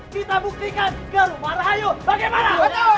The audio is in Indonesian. kita buktikan gerupa rahayu bagaimana